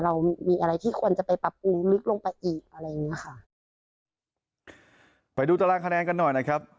เรามีอะไรที่ควรจะไปปรับปรุงลึกลงไปอีกอะไรอย่างเงี้ยค่ะไปดูตารางคะแนนกันหน่อยนะครับ